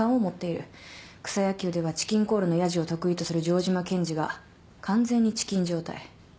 草野球ではチキンコールのやじを得意とする城島検事が完全にチキン状態。